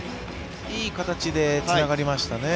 いい形でつながりましたね。